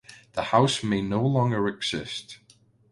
The house may no longer exist.